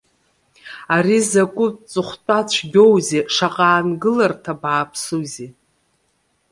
Ари закәытә ҵыхәтәа цәгьоузеи, шаҟа аангыларҭа бааԥсузеи!